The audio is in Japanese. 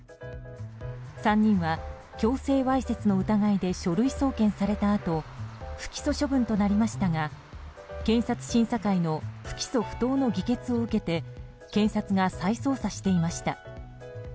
３人は強制わいせつの疑いで書類送検されたあと不起訴処分となりましたが検察審査会の不起訴不当の議決を受けて検察が再捜査していました。